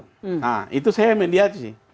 nah itu saya mediasi